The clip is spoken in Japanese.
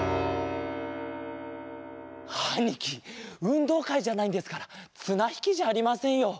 あにきうんどうかいじゃないんですからつなひきじゃありませんよ。